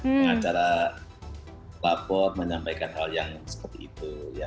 pengacara lapor menyampaikan hal yang seperti itu